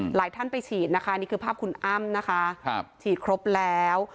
หลายท่านไปฉีดนะคะนี่คือภาพคุณอ้ำนะคะฉีดครบแล้ว